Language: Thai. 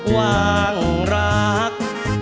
ว่างรัก